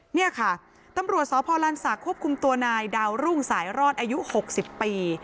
นี่ค่ะตำรวจสพลันศักดิ์ควบคุมตัวนายดาวรุ่งสายรอดอายุ๖๐ปี